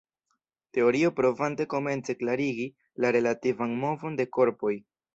Teorio provante komence klarigi la relativan movon de korpoj.